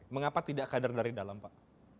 mengapa tidak kader dari dalam pak